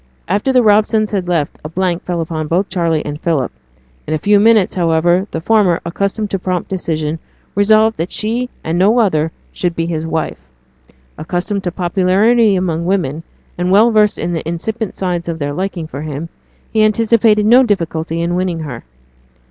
After the Robsons had left, a blank fell upon both Charley and Philip. In a few minutes, however, the former, accustomed to prompt decision, resolved that she and no other should be his wife. Accustomed to popularity among women, and well versed in the incipient signs of their liking for him, he anticipated no difficulty in winning her.